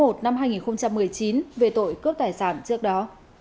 việt đã đối tượng mới ra tù vào tháng một năm hai nghìn một mươi bảy về tội cướp tài sản trước đó